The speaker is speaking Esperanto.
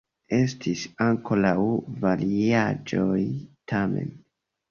Estis ankoraŭ variaĵoj, tamen.